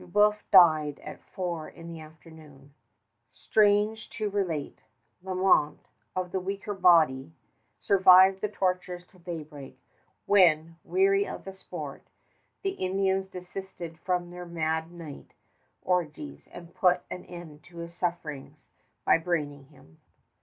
Brébeuf died at four in the afternoon. Strange to relate, Lalemant, of the weaker body, survived the tortures till daybreak, when, weary of the sport, the Indians desisted from their mad night orgies and put an end to his sufferings by braining him.